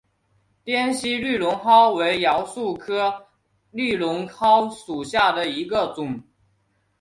滇西绿绒蒿为罂粟科绿绒蒿属下的一个种。